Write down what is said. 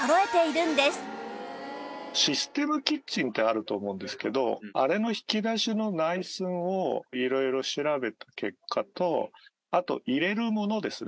システムキッチンってあると思うんですけどあれの引き出しの内寸を色々調べた結果とあと入れるものですね。